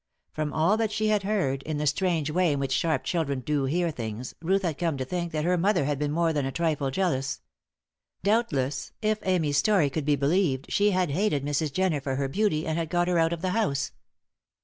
From all that she had heard, in the strange way in which sharp children do hear things, Ruth had come to think that her mother had been more than a trifle jealous. Doubtless, if Amy's story could be believed, she had hated Mrs. Jenner for her beauty and had got her out of the house.